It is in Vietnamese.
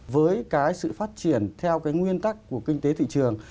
với cái sự phát triển theo cái nguyên tắc của kinh tế thị trường